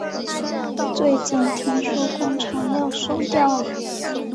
最近听说工厂要收掉了